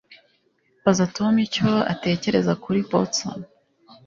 Baza Tom icyo atekereza kuri Boston